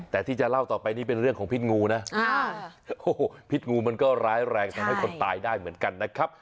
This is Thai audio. แต่ที่จะเล่าต่อไปนี่เป็นเรื่องของพิษงูนะโอ้โหพิษงูมันก็ร้ายแรงทำให้คนตายได้เหมือนกันนะครับ